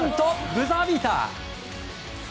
ブザービーター。